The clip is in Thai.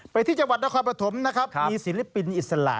ไปที่จังหวัดนครประถมมีศิลปินอิสระ